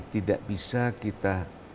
tidak bisa kita